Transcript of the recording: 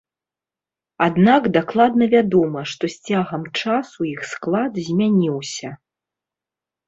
Аднак дакладна вядома, што з цягам часу іх склад змяніўся.